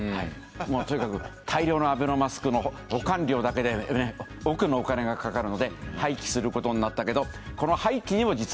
もうとにかく大量のアベノマスクの保管料だけで億のお金がかかるので廃棄することになったけど。